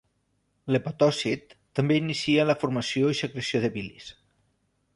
L'hepatòcit també inicia la formació i secreció de la bilis.